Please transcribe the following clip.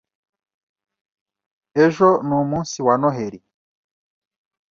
Ejo ni umunsi wa Noheri.